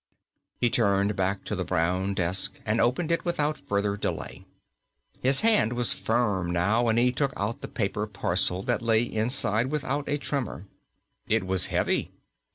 He turned back to the brown desk and opened it without further delay. His hand was firm now, and he took out the paper parcel that lay inside without a tremor. It was heavy.